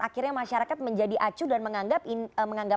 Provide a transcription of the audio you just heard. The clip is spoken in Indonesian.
akhirnya masyarakat menjadi acu dan menganggap